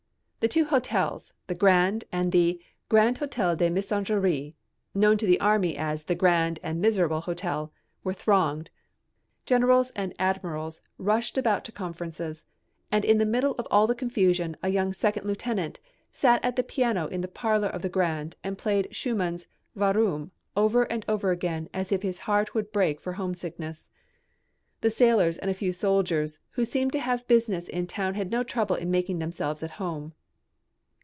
The two hotels the Grand and the Grand Hotel des Messageries, known to the army as the Grand and Miserable Hotel were thronged. Generals and Admirals rushed about to conferences and in the middle of all the confusion a young second lieutenant sat at the piano in the parlor of the Grand and played Schumann's "Warum" over and over again as if his heart would break for homesickness. The sailors and a few soldiers who seemed to have business in the town had no trouble in making themselves at home.